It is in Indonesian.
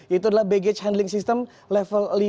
yaitu adalah baggage handling system level lima